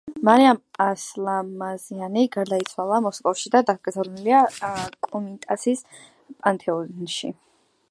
მარიამ ასლამაზიანი გარდაიცვალა მოსკოვში და დაკრძალულია კომიტასის პანთეონში.